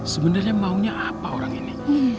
sebenarnya maunya apa orang ini